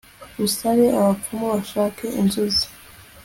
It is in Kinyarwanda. usabe abapfumu bashake inzuzi